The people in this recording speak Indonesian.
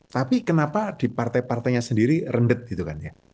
tapi kenapa di partai partainya sendiri rendet gitu kan ya